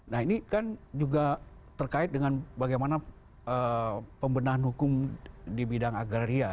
nah ini kan juga terkait dengan bagaimana pembenahan hukum di bidang agraria